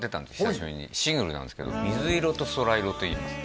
久しぶりにシングルなんですけど「水色と空色」といいます